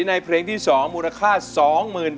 นะเพื่อมีความตื่ม